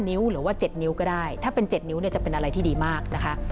นิ้วหรือว่า๗นิ้วก็ได้ถ้าเป็น๗นิ้วเนี่ยจะเป็นอะไรที่ดีมากนะคะ